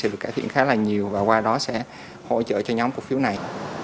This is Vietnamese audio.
thì sẽ được cải thiện khá là nhiều và qua đó sẽ hỗ trợ cho nhóm cụ phiếu này